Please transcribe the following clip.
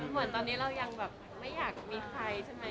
เหมือนตอนนี้เรายังแบบไม่อยากมีใครใช่ไหม